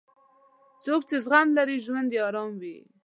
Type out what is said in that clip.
څوک چې زغم لري، ژوند یې ارام وي.